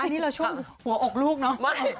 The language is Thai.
อันนี้เราช่วงหัวอกลูกเนาะ